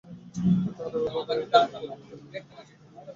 হয়তো আরও ভালো করতে পারতাম, তবে যেটা করেছি তাতেই আমি খুশি।